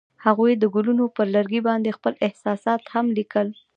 هغوی د ګلونه پر لرګي باندې خپل احساسات هم لیکل.